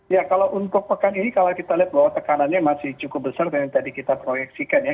ya kalau untuk pekan ini kalau kita lihat bahwa tekanannya masih cukup besar dari yang tadi kita proyeksikan ya